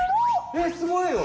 えすごいよ！